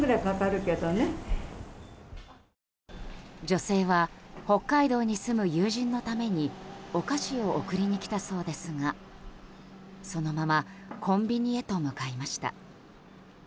女性は北海道に住む友人のためにお菓子を送りに来たそうですがそのままコンビニへと向かいました。